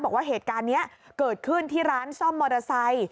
บอกว่าเหตุการณ์นี้เกิดขึ้นที่ร้านซ่อมมอเตอร์ไซค์